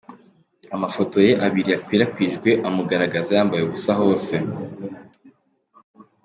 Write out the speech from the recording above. Amafoto ye abiri yakwirakwijwe amugaragaza yambaye ubusa hose.